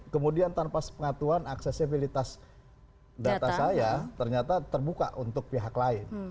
kemudian tanpa sepengatuan aksesibilitas data saya ternyata terbuka untuk pihak lain